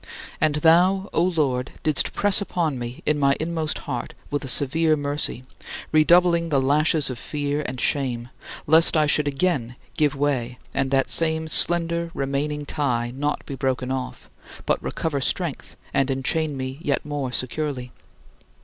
And thou, O Lord, didst press upon me in my inmost heart with a severe mercy, redoubling the lashes of fear and shame; lest I should again give way and that same slender remaining tie not be broken off, but recover strength and enchain me yet more securely.